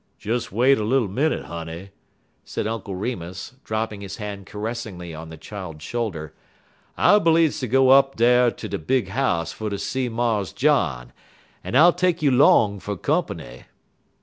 "Des wait a little minnit, honey," said Uncle Remus, dropping his hand caressingly on the child's shoulder. "I bleedz ter go up dar ter de big house fer ter see Mars John, en I'll take you 'long fer comp'ny."